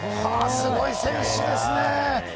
すごい選手ですね。